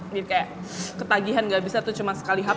jadi kayak ketagihan gak bisa tuh cuma sekali hap